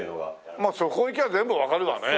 まあそこ行きゃ全部わかるわね。